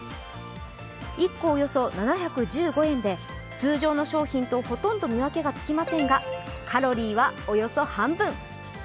１個およそ７１５円で通常の商品とほとんど見分けがつきませんがカロリーはおよそ半分。